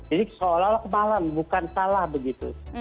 ini seolah olah kemalam bukan salah begitu